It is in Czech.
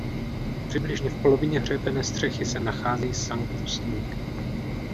Přibližně v polovině hřebene střechy se nachází sanktusník.